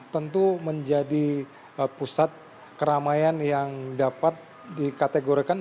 tentu menjadi pusat keramaian yang dapat dikategorikan